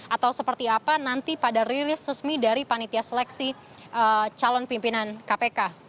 atau seperti apa nanti pada rilis resmi dari panitia seleksi calon pimpinan kpk